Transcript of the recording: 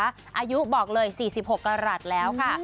อายุบอกเลย๔๖กรัฐแล้วค่ะ